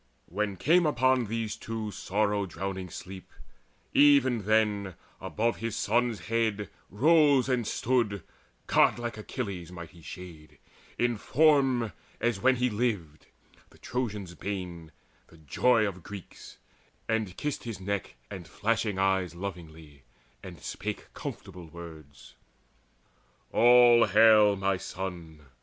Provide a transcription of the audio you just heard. When came on these too sorrow drowning sleep, Even then above his son's head rose and stood Godlike Achilles' mighty shade, in form As when he lived, the Trojans' bane, the joy Of Greeks, and kissed his neck and flashing eyes Lovingly, and spake comfortable words: "All hail, my son!